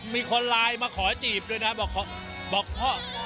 มีคนไลน์มาขอจีบด้วยนะบอกพ่อ